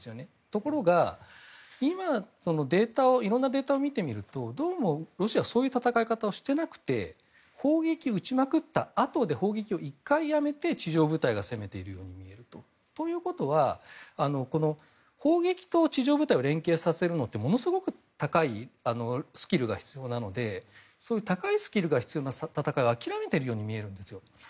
ところが、今いろんなデータを見てみるとどうもロシアはそういう戦い方をしていなくて砲撃を撃ちまくったあとで砲撃を１回やめて地上部隊が攻めていくようだと。ということは砲撃と地上部隊を連携させるのってものすごく高いスキルが必要なので高いスキルが必要な戦いを諦めているように見えるんですよ。